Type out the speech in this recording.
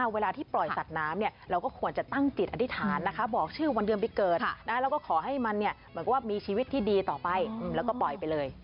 เวลาที่ปล่อยสัตว์น้ำเราก็ควรจะตั้งจิตอธิษฐานนะคะบอกชื่อวันเดือนปีเกิดแล้วก็ขอให้มันมีชีวิตที่ดีต่อไปแล้วก็ปล่อยไปเลย